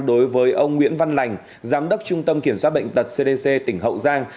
đối với ông nguyễn văn lành giám đốc trung tâm kiểm soát bệnh tật cdc tỉnh hậu giang